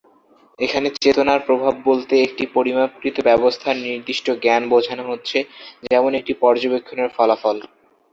এখানে "চেতনার প্রভাব" বলতে একটি পরিমাপকৃত ব্যবস্থার নির্দিষ্ট জ্ঞান বোঝানো হচ্ছে, যেমন একটি পর্যবেক্ষণের ফলাফল।